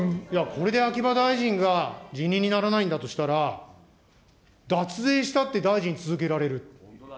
これで秋葉大臣が辞任にならないんだとしたら、脱税したって大臣続けられる。